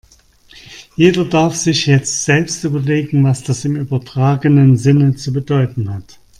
Jeder darf sich jetzt selbst überlegen, was das im übertragenen Sinne zu bedeuten hat.